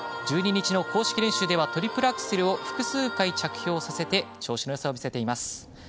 １２日の公式練習ではトリプルアクセルを複数回、着氷させて調子のよさを見せています。